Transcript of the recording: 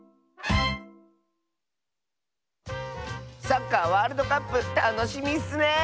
サッカーワールドカップたのしみッスね！